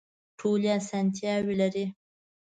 ټولې اسانتیاوې لري.